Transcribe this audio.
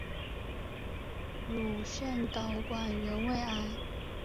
乳腺导管原位癌。